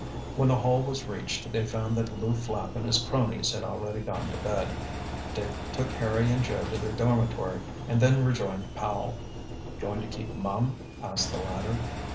When the Hall was reached they found that Lew Flapp and his cronies had already gone to bed. Dick took Harry and Joe to their dormitory and then rejoined Powell. "Going to keep mum?" asked the latter.